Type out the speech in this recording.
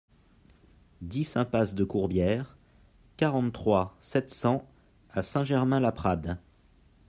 dix impasse de Courbières, quarante-trois, sept cents à Saint-Germain-Laprade